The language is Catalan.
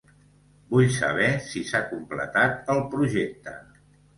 Vull saber si s'ha completat el projecte.